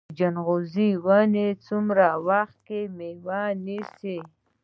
ځنغوزي ونه څومره وخت کې میوه نیسي؟